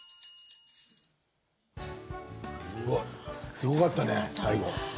すごかったね、最後。